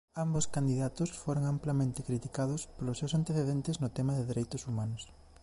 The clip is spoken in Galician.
Ambos candidatos foron amplamente criticados polos seus antecedentes no tema de dereitos humanos.